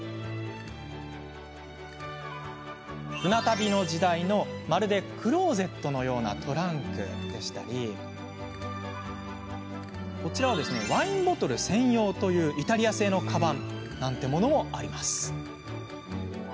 船旅の時代の、まるでクローゼットのようなトランクやワインボトル専用というイタリア製のかばんなんてものもあります。